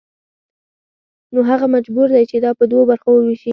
نو هغه مجبور دی چې دا په دوو برخو ووېشي